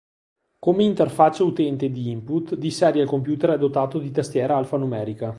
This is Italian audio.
Come interfaccia utente di input, di serie il computer è dotato di tastiera alfanumerica.